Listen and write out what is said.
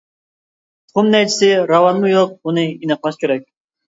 تۇخۇم نەيچىسى راۋانمۇ يوق بۇنى ئېنىقلاش كېرەك.